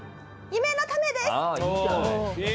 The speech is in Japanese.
夢のためですね。